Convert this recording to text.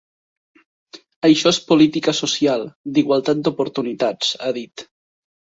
Això és política social, d’igualtat d’oportunitats, ha dit.